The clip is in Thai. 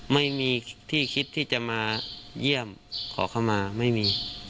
ไม่มีที่คิดที่จะมาเยี่ยมขอเข้ามาไม่มี